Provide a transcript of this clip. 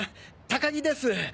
高木です。